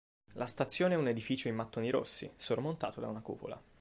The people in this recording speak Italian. La stazione è un edificio in mattoni rossi, sormontato da una cupola.